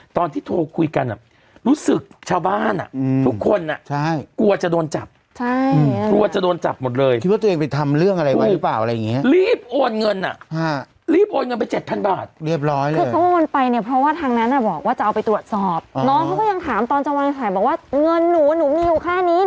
ตอนที่โทรคุยกันอ่ะรู้สึกชาวบ้านอ่ะทุกคนอ่ะ